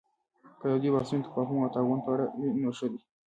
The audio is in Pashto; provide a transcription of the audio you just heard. که د دوی بحثونه د تفاهم او تعاون په اړه وي، نو ښه دي